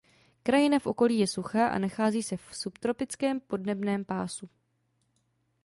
Krajina v okolí je suchá a nachází se subtropickém podnebném pásmu.